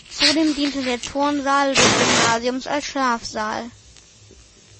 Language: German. Zudem diente der Turnsaal des Gymnasiums als Schlafsaal.